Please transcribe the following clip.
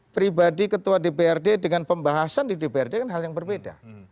pribadi ketua dprd dengan pembahasan di dprd kan hal yang berbeda